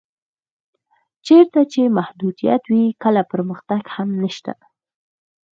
چېرته چې محدودیت وي کله پرمختګ هم نشته.